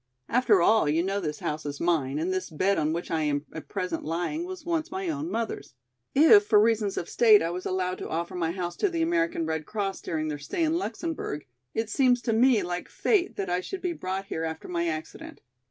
After all you know this house is mine and this bed on which I am at present lying was once my own mother's. If for reasons of state I was allowed to offer my house to the American Red Cross during their stay in Luxemburg, it seems to me like fate that I should be brought here after my accident.